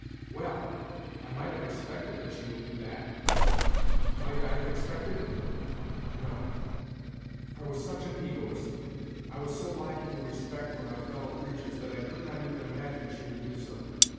" Well ! I might have expected that she would do that. Might I have expected it ? No, I was such an egoist, I was so lacking In respect for my fellow creatures that I could not even imagine she would do so.